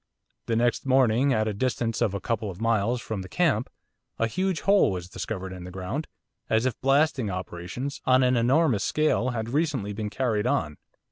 The next morning, at a distance of about a couple of miles from the camp, a huge hole was discovered in the ground, as if blasting operations, on an enormous scale, had recently been carried on.